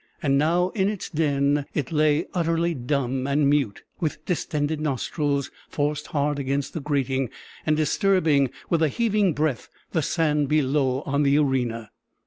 And now in its den it lay utterly dumb and mute, with distended nostrils forced hard against the grating, and disturbing, with a heaving breath, the sand below on the arena.